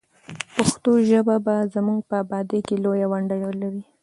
پښتو ژبه به زموږ په ابادۍ کې لویه ونډه ولري.